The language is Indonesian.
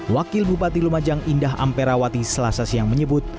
wakil bupati lumajang indah amperawati selasa siang menyebut